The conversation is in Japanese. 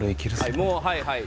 もうはいはい。